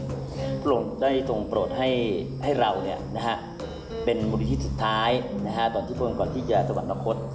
พระมหากลมนาธิคุณได้ทรงโปรดให้เราเป็นบุริษฐีสุดท้ายก่อนที่จะสวรรค์นาคต